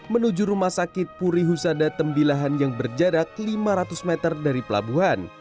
menuju rumah sakit puri husada tembilahan yang berjarak lima ratus meter dari pelabuhan